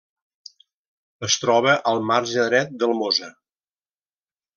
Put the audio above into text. Es troba al marge dret del Mosa.